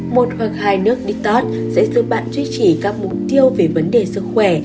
một hoặc hai nước đi tót sẽ giúp bạn duy trì các mục tiêu về vấn đề sức khỏe